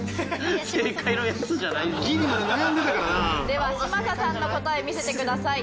では嶋佐さんの答え見せてください。